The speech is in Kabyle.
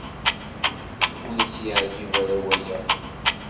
Ur as-yeɛjib ara waya.